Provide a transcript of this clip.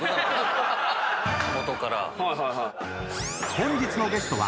［本日のゲストは］